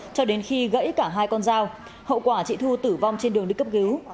cho đến khi gãy cả hai con dao hậu quả trị thu tử vong trên đường đức cấp ghiếu